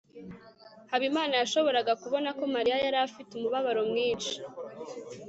habimana yashoboraga kubona ko mariya yari afite umubabaro mwinshi